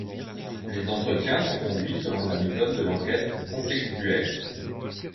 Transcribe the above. Les entretiens sont conduits selon la méthode de l’enquête contextuelle.